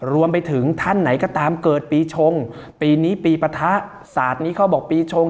รวมไปถึงท่านไหนก็ตามเกิดปีชงปีนี้ปีปะทะศาสตร์นี้เขาบอกปีชง